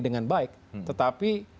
dengan baik tetapi